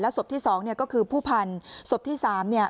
แล้วสบที่สองเนี่ยก็คือผู้พันธ์สบที่สามเนี่ย